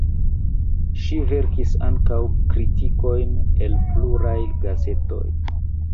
Ŝi verkis ankaŭ kritikojn en pluraj gazetoj.